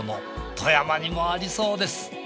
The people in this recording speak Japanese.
富山にもありそうです。